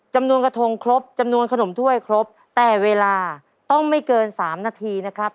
จำนวนกระทงครบจำนวนขนมถ้วยครบแต่เวลาต้องไม่เกิน๓นาทีนะครับ